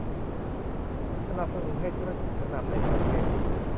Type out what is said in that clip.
สนับสนุนให้ธุรกิจชั้นนำในประเทศ